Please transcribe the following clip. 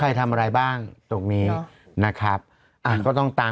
พี่โมดรู้สึกไหมพี่โมดรู้สึกไหมพี่โมดรู้สึกไหมพี่โมดรู้สึกไหม